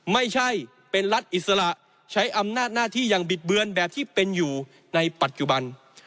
ไม่ใช่เป็นรัฐอิสระใช้อำนาจหน้าที่อย่างบิดเบือนแบบที่เป็นอยู่ในปัจจุบัน